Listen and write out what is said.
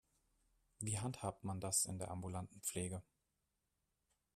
Wie handhabt man das in der ambulanten Pflege?